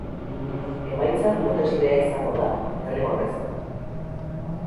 Emaitza loteslea izango da, derrigorrez.